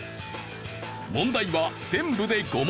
問題は全部で５問。